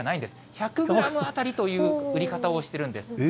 １００グラム当たりという売り方をしてるんです。